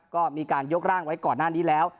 ก็มีการยกร่างไว้ก่อนหน้านี้แล้ว